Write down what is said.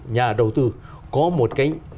nhà đầu tư có một cái